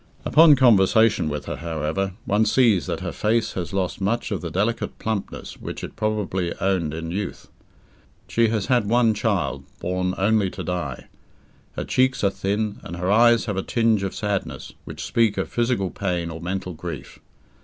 Upon conversation with her, however, one sees that her face has lost much of the delicate plumpness which it probably owned in youth. She has had one child, born only to die. Her cheeks are thin, and her eyes have a tinge of sadness, which speak of physical pain or mental grief.